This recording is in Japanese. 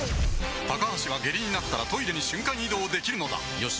高橋は下痢になったらトイレに瞬間移動できるのだよし。